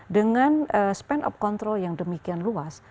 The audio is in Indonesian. dengan span of control yang demikian luas